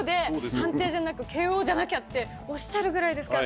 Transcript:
判定じゃなくＫＯじゃなきゃとおっしゃるぐらいですから。